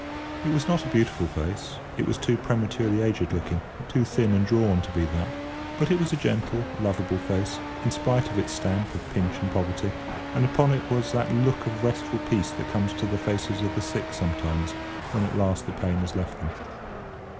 It was not a beautiful face; it was too prematurely aged looking, too thin and drawn, to be that; but it was a gentle, lovable face, in spite of its stamp of pinch and poverty, and upon it was that look of restful peace that comes to the faces of the sick sometimes when at last the pain has left them.